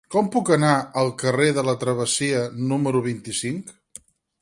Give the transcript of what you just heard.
Com puc anar al carrer de la Travessia número vint-i-cinc?